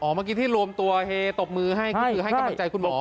อ๋อเมื่อกี้ที่รวมตัวตบมือให้กำลังใจคุณหมอ